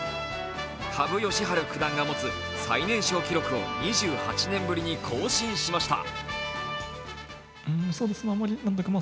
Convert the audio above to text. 羽生善治九段が持つ最年少記録を２８年ぶりに更新しました。